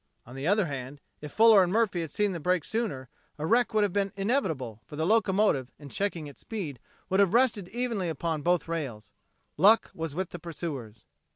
On the other hand, if Fuller and Murphy had seen the break sooner, a wreck would have been inevitable, for the locomotive, in checking its speed, would have rested evenly upon both rails. Luck was with the pursuers.